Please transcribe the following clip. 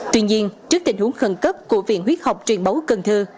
tuy nhiên trước tình huống khẩn cấp của viện huyết học truyền máu cần thơ